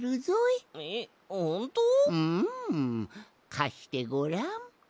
かしてごらん。